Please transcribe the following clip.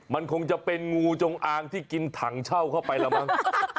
มันคงจะเป็นงูจงอางที่กินถังเช่าเข้าไปแล้วมั้ง